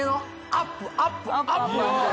アップアップアップ。